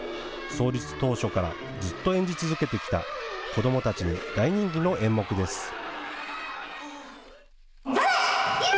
創立当初からずっと演じ続けてきた子どもたちに大人気の演目です。